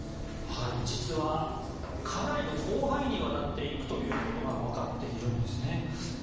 実は、かなりの広範囲にわたっていくということが分かっているんですね。